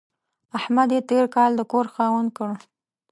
احمد يې تېر کال د کور خاوند کړ.